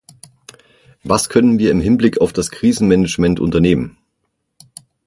Was können wir im Hinblick auf das Krisenmanagement unternehmen?